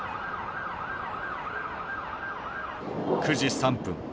９時３分。